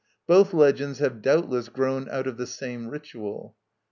Both legends have doubtless grown out of the same ritual.